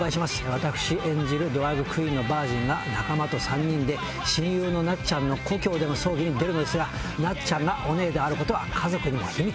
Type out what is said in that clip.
私演じるドラァグクイーンのバージンが仲間と３人で親友のなっちゃんの故郷での葬儀に出るのですがなっちゃんがオネエであることは家族にも秘密。